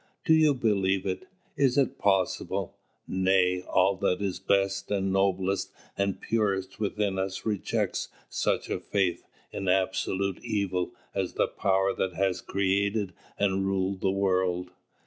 Do you believe it? Is it possible? Nay, all that is best and noblest and purest within us rejects such a faith in Absolute Evil as the power that has created and rules the world.